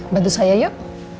bantu saya yuk